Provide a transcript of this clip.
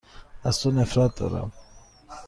از تو نفرت دارم.